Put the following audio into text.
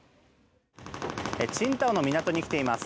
青島の港に来ています。